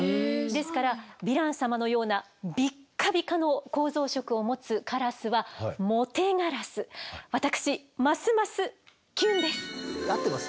ですからヴィラン様のようなビッカビカの構造色を持つカラスは私ますます合ってます？